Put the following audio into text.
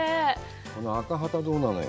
あのアカハタ、どうなのよ？